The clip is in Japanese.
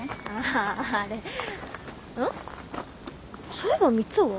そういえば三生は？